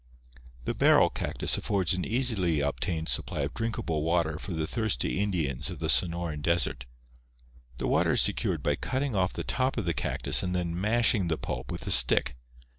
The barrel cactus affords an easily obtained supply of drinkable water for the thirsty Indians of the Sonoran desert. The water is secured by cutting off the top of the cactus and then mashing the pulp with a stick.